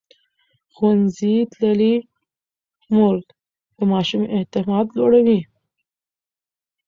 ښوونځې تللې مور د ماشوم اعتماد لوړوي.